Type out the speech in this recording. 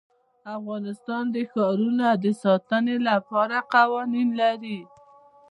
افغانستان د ښارونه د ساتنې لپاره قوانین لري.